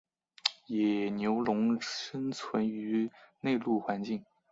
野牛龙生存于内陆环境。